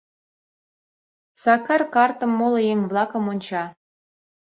Сакар картым, моло еҥ-влакым онча.